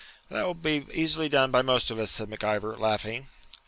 'That will be easily done by most of us,' said Mac Ivor, laughing.